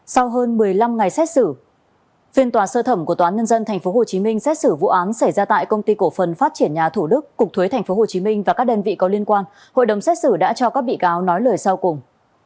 sau hơn một mươi năm ngày xét xử phiên tòa sơ thẩm của tòa án nhân dân tp hcm xét xử vụ án xảy ra tại công ty cổ phần phát triển nhà thủ đức cục thuế tp hcm và các đơn vị có liên quan hội đồng xét xử đã cho các bị cáo nói lời sau cùng